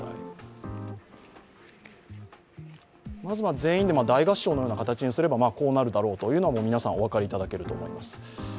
まず、全員で大合唱のような形にすれば、こうなるだろうというのは皆さん、お分かりいただけると思います。